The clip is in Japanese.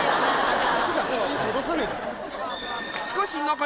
足が口に届かねえだろ